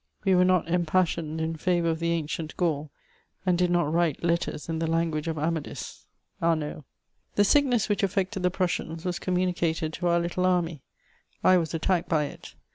'' We were not empassioned in fJEivour of the ancient Gatdj and did not write letters in the language of Amadis. — (Amauld.) The sickness which affected the Prussians was communicated to our little army ; I was attacked by it.